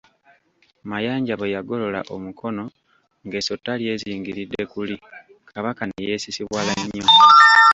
Mayanja bwe yagolola omukono ng'essota lyezingiridde kuli, Kabaka ne yeesisiwala nnyo.